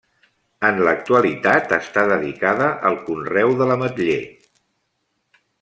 En l'actualitat està dedicada al conreu de l'ametller.